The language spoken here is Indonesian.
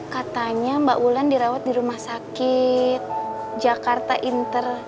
katanya mbak wulan dirawat di rumah sakit jakarta inter